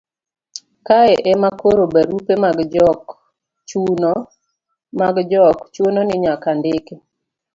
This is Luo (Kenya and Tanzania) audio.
kae ema koro barupe mag jok chuno ni nyaka ndiki